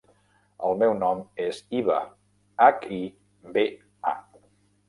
El meu nom és Hiba: hac, i, be, a.